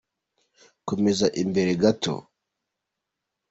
komeza imbere gato.